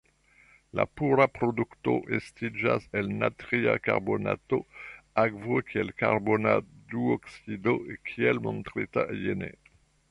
La pura produkto estiĝas el natria karbonato, akvo kaj karbona duoksido kiel montrita jene.